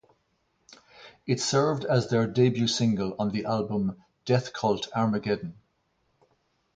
It served as their debut single on the album "Death Cult Armageddon".